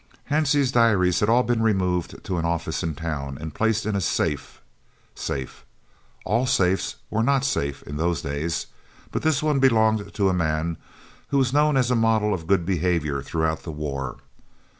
'" Hansie's diaries had all been removed to an office in town and placed in a safe safe. All safes were not "safe" in those days, but this one belonged to a man who was known as a model of good behaviour throughout the war.